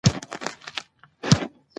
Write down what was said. علم د انساني حقونو په پېژندنه کي مرسته کوي.